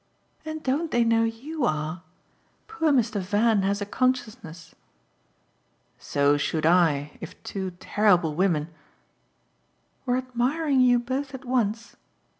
"And don't they know YOU are? Poor Mr. Van has a consciousness!" "So should I if two terrible women " "Were admiring you both at once?"